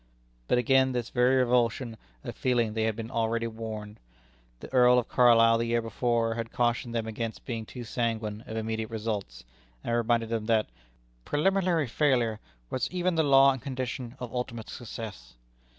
But against this very revulsion of feeling they had been already warned. The Earl of Carlisle the year before had cautioned them against being too sanguine of immediate results, and reminded them that "preliminary failure was even the law and condition of ultimate success."